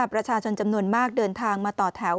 ประชาชนจำนวนมากเดินทางมาต่อแถว